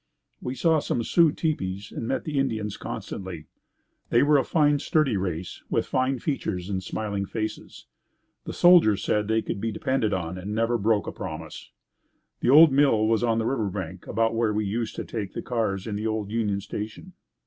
We saw some Sioux tepees and met the Indians constantly. They were a fine sturdy race, with fine features and smiling faces. The soldier said they could be depended on and never broke a promise. The old mill was on the river bank about where we used to take the cars in the old Union Station.